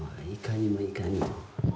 「いかにもいかにも」